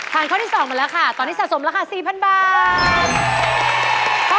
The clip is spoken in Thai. ช่างข้อที่สองเป็นราคาตอนนี้สะสมราคา๔๐๐๐บาท